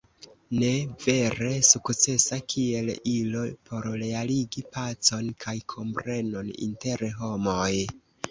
Ne vere sukcesa kiel ilo por realigi pacon kaj komprenon inter homoj.